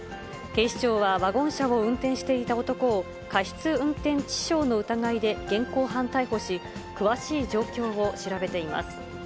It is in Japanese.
警視庁はワゴン車を運転していた男を、過失運転致傷の疑いで現行犯逮捕し、詳しい状況を調べています。